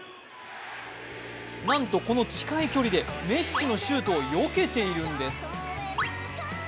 なんとこの近い距離でメッシのシュートをよけているんです。